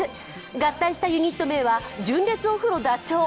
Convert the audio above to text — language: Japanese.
合体したユニット名は、純烈オフロダチョウ。